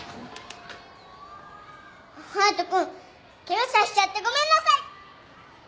隼人君ケガさせちゃってごめんなさい。